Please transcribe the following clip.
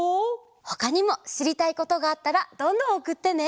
ほかにもしりたいことがあったらどんどんおくってね！